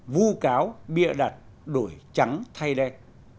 vu cáo bịa đặt đổi trắng thay đen